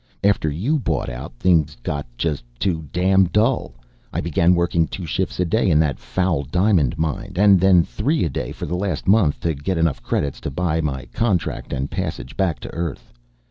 After you bought out, things got just too damn dull. I began working two shifts a day in that foul diamond mine, and then three a day for the last month to get enough credits to buy my contract and passage back to earth.